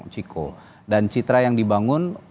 ciko dan citra yang dibangun